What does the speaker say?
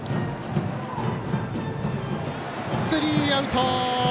スリーアウト！